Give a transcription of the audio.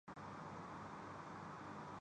بھارت پاگل ہے